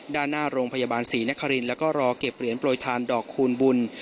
ด้านหน้าโรงพยาบาลศรีนครินแล้วก็รอเก็บเหรียญโปรยทานดอกคูณบุญ